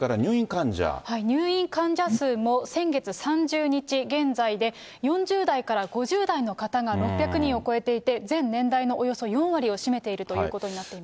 入院患者数も先月３０日現在で、４０代から５０代の方が６００人を超えていて、全年代のおよそ４割を占めているということになっています。